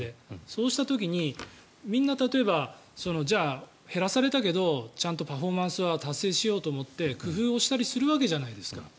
そうした時にみんな例えば、じゃあ、減らされたけどちゃんとパフォーマンスは達成しようと思って工夫をしたりするわけじゃないですか。